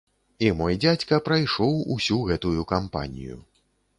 І мой дзядзька прайшоў усю гэтую кампанію.